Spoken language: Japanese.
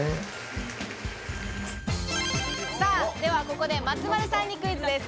ではここで松丸さんにクイズです。